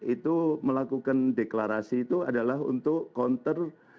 itu melakukan deklarasi itu adalah untuk counter